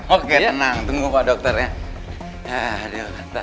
oke tenang tunggu pak dokter ya